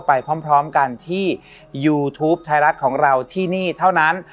ไปพร้อมกันที่ยูทูปไทยรัฐของเราที่นี่เท่านั้น